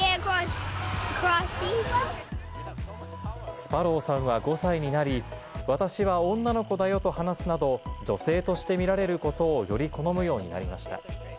スパロウさんは５歳になり、私は女の子だよと話すなど、女性として見られることをより好むようになりました。